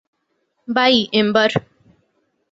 By, ember!